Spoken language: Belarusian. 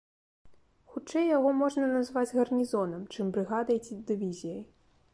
Хутчэй яго можна назваць гарнізонам, чым брыгадай ці дывізіяй.